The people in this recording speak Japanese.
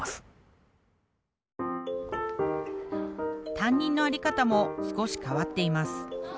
担任のあり方も少し変わっています。